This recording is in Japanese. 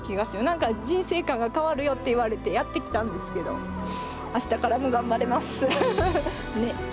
何か人生観が変わるよって言われてやって来たんですけどあしたからも頑張れます。ね！